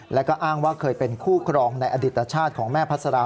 แล้วก็อ้างว่าเคยเป็นคู่ครองในอดิตชาติของแม่พัสรา